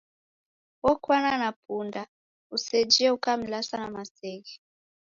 Okwana na punda usejie ukamlasa na maseghe.